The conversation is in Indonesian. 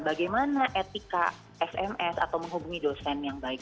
bagaimana etika sms atau menghubungi dosen yang baik